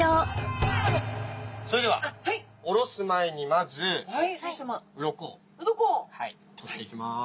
それではおろす前にまずお願いいたします。